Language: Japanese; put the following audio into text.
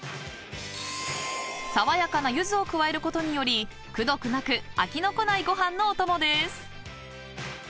［爽やかなゆずを加えることによりくどくなく飽きのこないご飯のおともです］